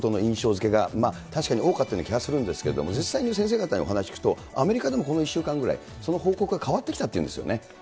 づけが確かに多かったような気がするんですけれども、実際に先生方にお話聞くと、アメリカでもこの１週間ぐらい、その報告はみたいですね。